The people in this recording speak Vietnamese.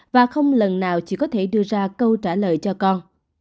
và không lần nào chỉ có thể đưa ra câu trả lời cho con